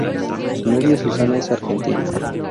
Su novia Susana es argentina.